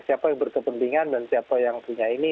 siapa yang berkepentingan dan siapa yang punya ini